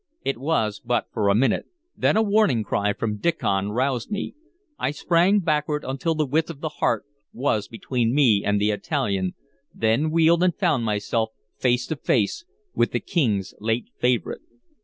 It was but for a minute; then a warning cry from Diccon roused me. I sprang backward until the width of the hearth was between me and the Italian, then wheeled and found myself face to face with the King's late favorite.